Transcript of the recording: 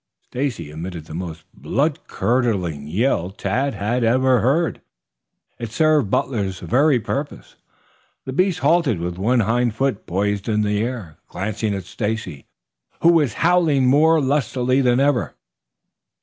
Stacy emitted the most blood curdling yell Tad had ever heard. It served Butler's very purpose. The beast halted with one hind foot poised in the air, glaring at Stacy, who was howling more lustily than ever.